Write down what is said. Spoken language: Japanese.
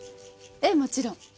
ええもちろん。